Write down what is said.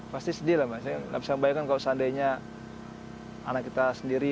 pasti sedih lah mbak saya nggak bisa membayangkan kalau seandainya anak kita sendiri